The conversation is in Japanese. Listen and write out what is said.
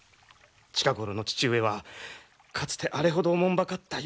近頃の父上はかつてあれほどおもんぱかった弱き者